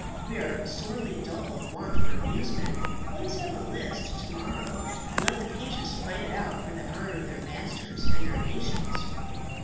We are sorely dull for want of amusement. Let us have a list to morrow, and let the pages fight it out for the honour of their masters and their nations."